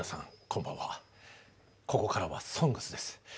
こんばんはここからは「ＳＯＮＧＳ」です。